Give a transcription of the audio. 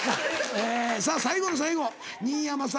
えさぁ最後の最後新山さん